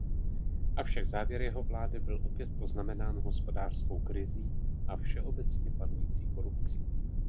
Avšak závěr jeho vlády byl opět poznamenán hospodářskou krizí a všeobecně panující korupcí.